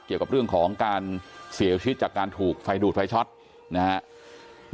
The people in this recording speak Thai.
เกี่ยวกับเรื่องของการเสียชีวิตจากการถูกไฟดูดไฟช็อตนะครับ